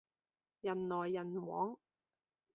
人來人往